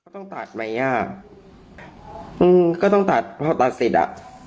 ต้องตัดไหมอ่ะอืมก็ต้องตัดพอตัดเสร็จอ่ะ